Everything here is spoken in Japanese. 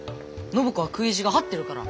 暢子は食い意地が張ってるから。